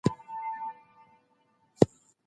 ما خپله کتابچه له لاسه ورکړه.